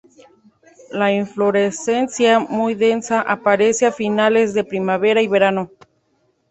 La inflorescencia muy densa aparece a finales de Primavera y verano.